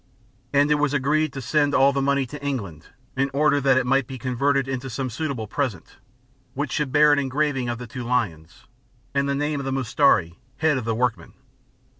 And it was agreed to send all the money to England, in order that it might be converted into some suitable present, Which should bear an engraving of the two lions, and the name of the mistari, head of the workmen.